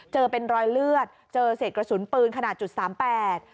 เจอเป็นรอยเลือดเจอเศษกระสุนปืนขนาดจุดสามแปด